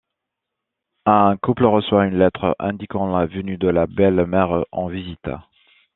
Un couple reçoit une lettre indiquant la venue de la belle-mère en visite.